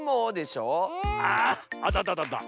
あっあたたたた。